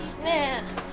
ねえ？